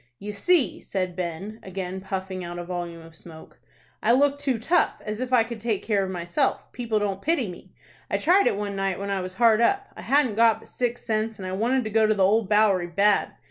"You see," said Ben, again puffing out a volume of smoke, "I look too tough, as if I could take care of myself. People don't pity me. I tried it one night when I was hard up. I hadn't got but six cents, and I wanted to go to the Old Bowery bad.